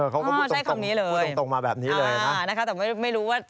เค้าก็พูดตรงมาแบบนี้เลยนะครับนะคะแต่ไม่รู้ว่า